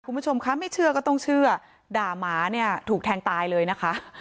คุณผู้ชมคะไม่เชื่อก็ต้องเชื่อด่าหมาเนี่ยถูกแทงตายเลยนะคะ